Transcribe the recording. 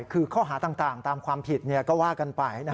คือข้อหาต่างตามความผิดก็ว่ากันไป